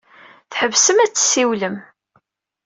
Tḥebsem ad tessiwlem.